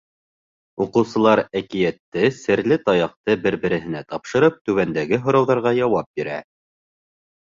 Уҡыусылар әкиәтте, серле таяҡты бер-береһенә тапшырып түбәндәге һорауҙарға яуап бирә: